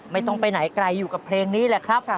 ไม่ต้องไปไหนไกลอยู่กับเพลงนี้แหละครับ